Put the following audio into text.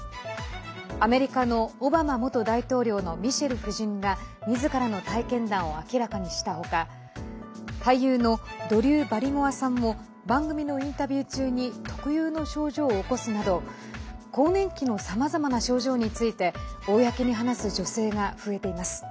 アメリカのオバマ元大統領のミシェル夫人がみずからの体験談を明らかにした他俳優のドリュー・バリモアさんも番組のインタビュー中に特有の症状を起こすなど更年期のさまざまな症状について公に話す女性が増えています。